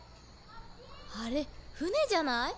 あれ船じゃない？